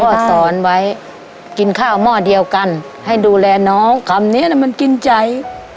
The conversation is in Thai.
สอนไว้กินข้าวหม้อเดียวกันให้ดูแลน้องคำเนี้ยมันกินใจ